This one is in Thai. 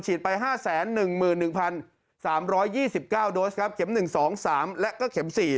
ไป๕๑๑๓๒๙โดสครับเข็ม๑๒๓และก็เข็ม๔